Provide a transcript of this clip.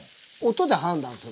音で判断する？